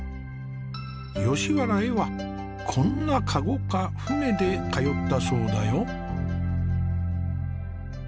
吉原へはこんな駕籠か舟で通ったそうだよ。